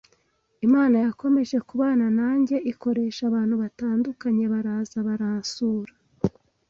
Imana yakomeje kubana nanjye ikoresha abantu batandukanye baraza baransura